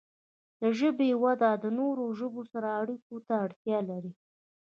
د ژبې وده د نورو ژبو سره اړیکو ته اړتیا لري.